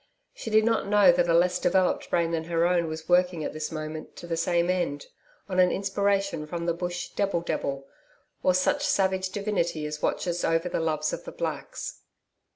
She did not know that a less developed brain than her own was working at this moment to the same end, on an inspiration from the bush DEBIL DEBIL, or such savage divinity as watches over the loves of the Blacks.